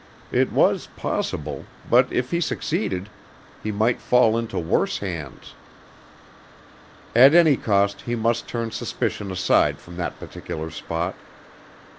It was possible, but if he succeeded, he might fall into worse hands. At any cost he must turn suspicion aside from that particular spot.